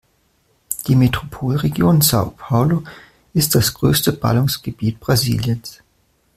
Die Metropolregion São Paulo ist das größte Ballungsgebiet Brasiliens.